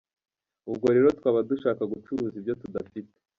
Ubwo rero twaba dushaka gucuruza ibyo tudafite.